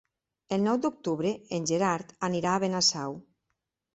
El nou d'octubre en Gerard anirà a Benasau.